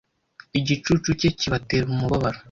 igicucu cye kibatera umubabaro